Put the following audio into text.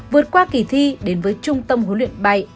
vượt qua kỳ thi đến với trung tâm huấn luyện bay